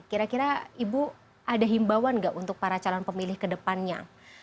kira kira ibu ada himbauan nggak untuk para calon pemilih kedepannya